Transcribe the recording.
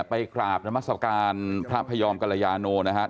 ไปกราบนามัศกาลพระพยอมกรยาโนนะครับ